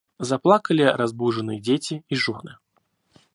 Заплакали разбуженные дети и жены.